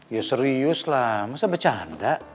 ya serius lah masa bercanda